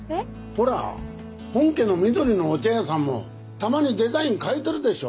ほら本家の「緑のお茶屋さん」もたまにデザイン変えてるでしょ。